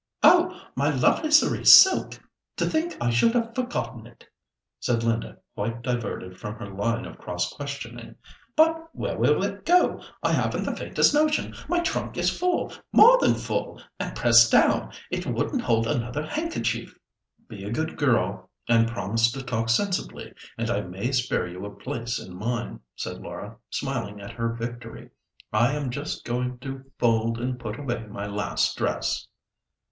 "Oh, my lovely cerise silk! To think I should have forgotten it!" said Linda, quite diverted from her line of cross questioning. "But where will it go? I haven't the faintest notion. My trunk is full—more than full—and pressed down. It wouldn't hold another handkerchief." "Be a good girl, and promise to talk sensibly, and I may spare you a place in mine," said Laura, smiling at her victory. "I am just going to fold and put away my last dress."